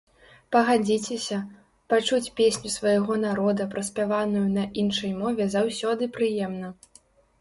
Пагадзіцеся, пачуць песню свайго народа праспяваную на іншай мове заўсёды прыемна!